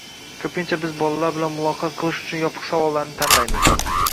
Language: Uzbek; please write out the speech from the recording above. ko‘pincha biz bolalar bilan muloqot qilish uchun yopiq savollarni tanlaymiz